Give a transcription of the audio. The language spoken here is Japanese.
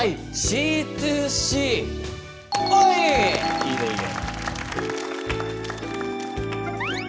いいねいいね。